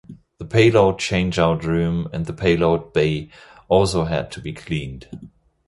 The Payload Change-out Room and the payload bay also had to be cleaned.